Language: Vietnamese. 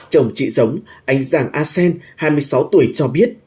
chồng chị giống anh giàng a sen hai mươi sáu tuổi cho biết